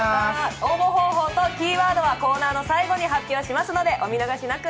応募方法とキーワードはコーナーの最後に発表しますのでお見逃しなく。